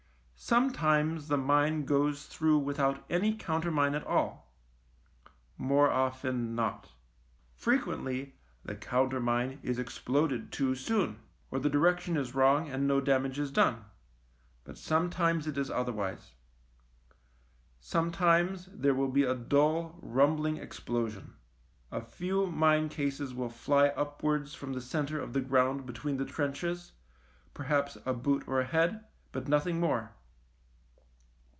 Sometimes the mine goes through without any countermine at all — more often not. Frequently the counter mine is exploded too soon, or the direction is wrong and no damage is done, but sometimes it is otherwise. Sometimes there will be a dull, rumbling explosion — a few mine cases will fly upwards from the centre of the ground between the trenches, perhaps a boot or a head, but nothing more.